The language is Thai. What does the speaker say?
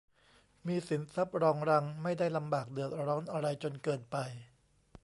มีสินทรัพย์รองรังไม่ได้ลำบากเดือดร้อนอะไรจนเกินไป